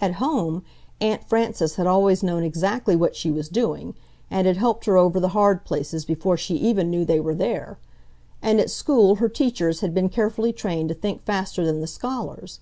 At home, Aunt Frances had always known exactly what she was doing, and had helped her over the hard places before she even knew they were there; and at school her teachers had been carefully trained to think faster than the scholars.